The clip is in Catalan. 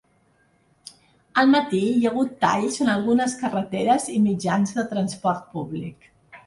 Al matí hi ha hagut talls en algunes carreteres i mitjans de transport públic.